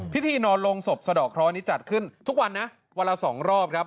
พิธีนอนลงศพสะดอกเคราะห์นี้จัดขึ้นทุกวันนะวันละ๒รอบครับ